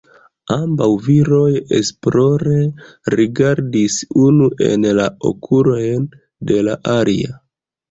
Ambaŭ viroj esplore rigardis unu en la okulojn de la alia.